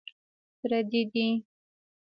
پردي دي.